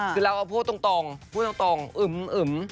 คือเราเอาพูดตรงพูดตรงอึม